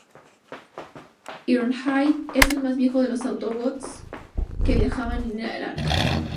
Ironhide es el más viejo de los Autobots que viajaban en el Arca.